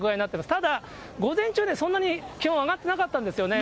ただ午前中ね、そんなに気温上がってなかったんですよね。